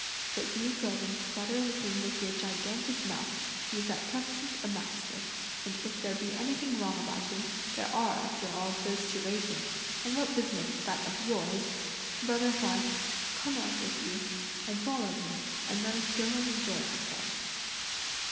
But you go and sputter him with your gigantic mouth; he's at present a master, and if there be anything wrong about him, there are, after all, those to rate him; and what business is that of yours? Brother Huan, come out with you, and follow me and let us go and enjoy ourselves."